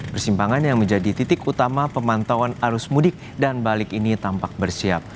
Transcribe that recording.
persimpangan yang menjadi titik utama pemantauan arus mudik dan balik ini tampak bersiap